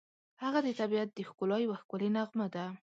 هغه د طبیعت د ښکلا یوه ښکلې نښه ده.